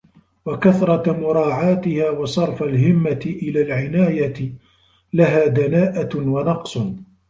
وَكَثْرَةَ مُرَاعَاتِهَا وَصَرْفَ الْهِمَّةِ إلَى الْعِنَايَةِ لَهَا دَنَاءَةٌ وَنَقْصٌ